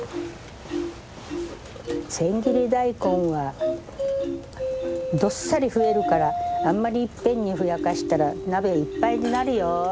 千切り大根はどっさり増えるからあんまりいっぺんにふやかしたら鍋いっぱいになるよって言うてたわ。